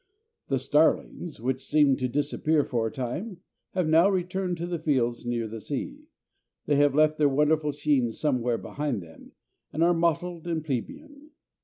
The starlings, which seemed to disappear for a time, have now returned to the fields near the sea. They have left their wonderful sheen somewhere behind them, and are mottled and plebeian.